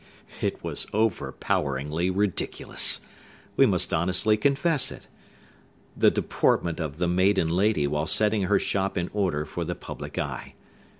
It was overpoweringly ridiculous,—we must honestly confess it,—the deportment of the maiden lady while setting her shop in order for the public eye.